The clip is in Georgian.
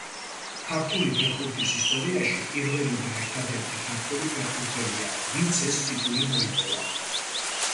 ქართული ფეხბურთის ისტორიაში პირველი და ერთადერთი ქართველი ფეხბურთელია, ვინც ეს ტიტული მოიპოვა.